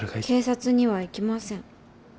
警察には行きません。